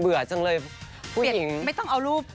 เบื่อจึงเลยผู้หญิง